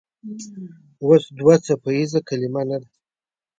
اوس دوه څپیزه کلمه نه ده.